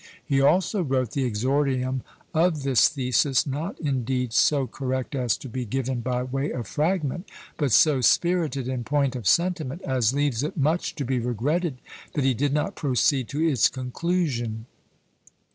He also wrote the exordium of this thesis, not, indeed, so correct as to be given by way of fragment, but so spirited in point of sentiment, as leaves it much to be regretted that he did not proceed to its conclusion."